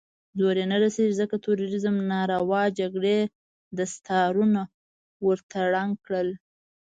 زور يې نه رسېږي، ځکه د تروريزم ناروا جګړې دستارونه ورته ړنګ کړل.